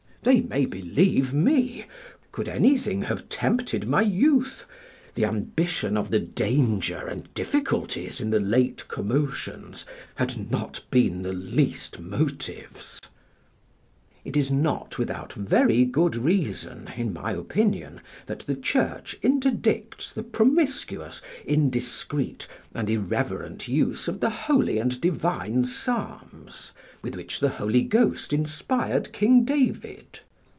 They may believe me: could anything have tempted my youth, the ambition of the danger and difficulties in the late commotions had not been the least motives. It is not without very good reason, in my opinion, that the Church interdicts the promiscuous, indiscreet, and irreverent use of the holy and divine Psalms, with which the Holy Ghost inspired King David.